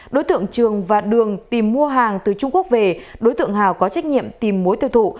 đối tượng trường và đường tìm mua hàng từ trung quốc về đối tượng hào có trách nhiệm tìm mối tiêu thụ